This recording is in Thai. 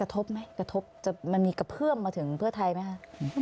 กระทบไหมกระทบจะมันมีกระเพื่อมมาถึงเพื่อไทยไหมคะ